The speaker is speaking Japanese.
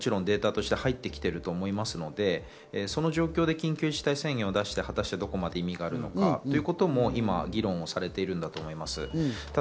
こういったことももちろんデータとして入ってきていると思うので、その状況で緊急事態宣言を出して、果たしてどこまで意味があるのかということも議論されているんだと思います。